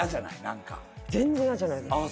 何か全然嫌じゃないですあ